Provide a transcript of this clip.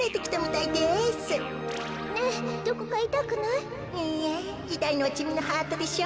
いいえいたいのはちみのハートでしょ？